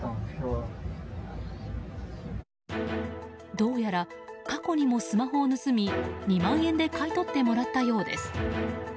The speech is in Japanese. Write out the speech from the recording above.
どうやら過去にもスマホを盗み２万円で買い取ってもらったようです。